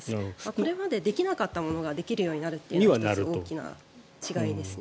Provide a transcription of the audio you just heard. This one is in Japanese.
これまでできなかったものができるようになるというのは１つ、大きな違いですね。